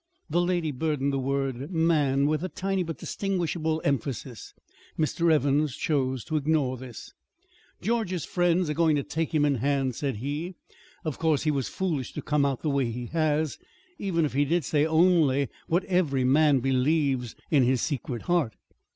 The lady burdened the word "man" with a tiny but distinguishable emphasis. Mr. Evans chose to ignore this. "George's friends are going to take him in hand," said he. "Of course he was foolish to come out the way he has, even if he did say only what every man believes in his secret heart."